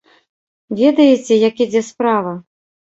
Ведаеце, як ідзе справа?